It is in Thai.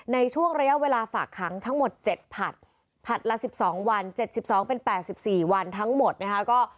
ในช่วงระยะเวลาฝากขังทั้งหมด๗ผัดผัดละ๑๒วัน๗๒เป็น๘๔วันทั้งหมดนะคะ